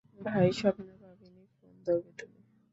ভাই, স্বপ্নেও ভাবিনি ফোন ধরবে তুমি।